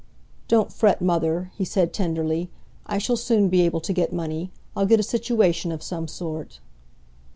"Don't fret, mother," he said tenderly. "I shall soon be able to get money; I'll get a situation of some sort."